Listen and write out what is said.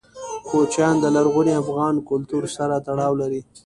کوچیان د لرغوني افغان کلتور سره تړاو لري.